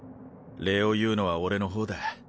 礼を言うのは俺の方だ。